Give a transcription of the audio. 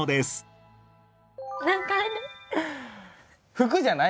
服じゃない？